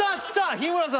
日村さん